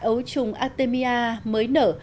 ấu trùng artemia mới nở